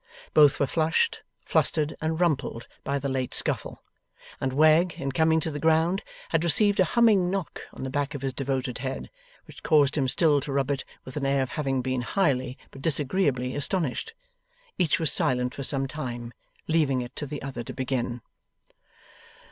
Both were flushed, flustered, and rumpled, by the late scuffle; and Wegg, in coming to the ground, had received a humming knock on the back of his devoted head, which caused him still to rub it with an air of having been highly but disagreeably astonished. Each was silent for some time, leaving it to the other to begin.